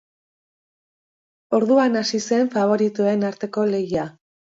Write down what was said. Orduan hasi zen faboritoen arteko lehia.